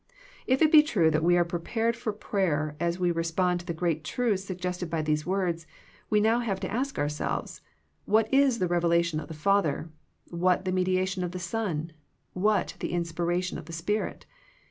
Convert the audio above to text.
If it be true that we are prepared for prayer as we respond to the great truths suggested by those words, we now have to ask ourselves, " What is the revelation of the Father ; what the mediation of the Son ; what the inspiration of the Spirit